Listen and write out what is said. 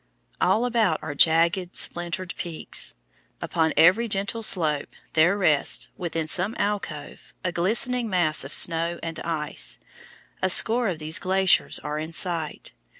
All about are jagged, splintered peaks. Upon every gentle slope there rests, within some alcove, a glistening mass of snow and ice. A score of these glaciers are in sight.